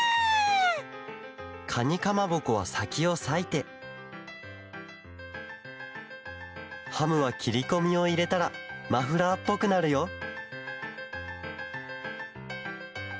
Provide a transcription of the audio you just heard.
かにかまぼこはさきをさいてハムはきりこみをいれたらマフラーっぽくなるよ